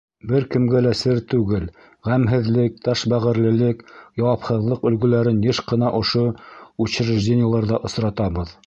Бер кемгә лә сер түгел, ғәмһеҙлек, ташбәғерлелек, яуапһыҙлыҡ өлгөләрен йыш ҡына ошо учреждениеларҙа осратабыҙ.